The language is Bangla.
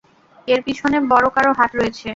এর পিছনে বড় কারো হাত রয়েছে।